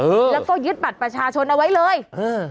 เออแล้วก็ยึดบัตรประชาชนเอาไว้เลยเออ